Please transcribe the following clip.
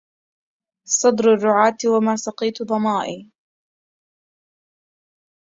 صدر الرعاء وما سقيت ظمائي